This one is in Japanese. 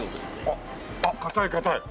あっ硬い硬い